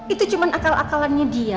itu cuma akal akalannya dia